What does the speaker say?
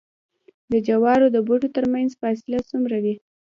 د جوارو د بوټو ترمنځ فاصله څومره وي؟